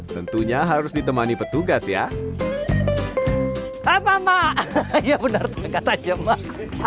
tentunya harus ditemani petugas ya apa mak ya benar benar kata jemaah